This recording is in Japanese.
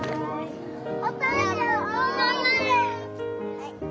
はい。